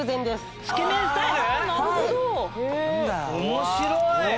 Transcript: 面白い！